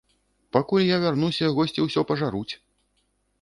Пакуль я вярнуся, госці ўсё пажаруць.